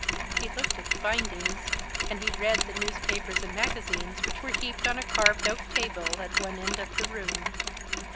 He looked at the bindings ; and he read tlie newspapers and magazines which were heaped on a carved oak table at one end of the room.